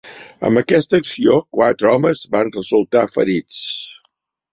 Amb aquesta acció, quatre homes van resultar ferits.